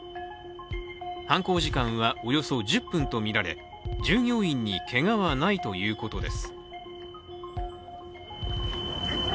犯行時間はおよそ１０分とみられ従業員にけがはないということです。